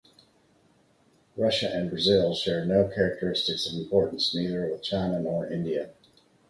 Russia and Brazil share no characteristics of importance neither with China nor India.